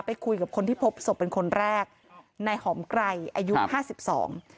คุยกับคนที่พบศพเป็นคนแรกในหอมไกรอายุห้าสิบสอง